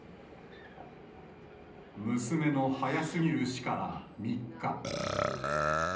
娘の早すぎる死から３日。